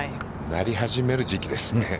なり始める時期ですね。